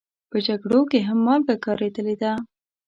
په جګړو کې هم مالګه کارېدلې ده.